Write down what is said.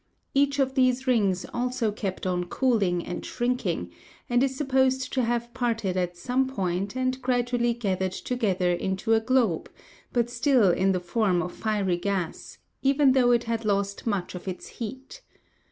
Each of these rings also kept on cooling and shrinking and is supposed to have parted at some point and gradually gathered together into a globe, but still in the form of fiery gas, even though it had lost much of its heat.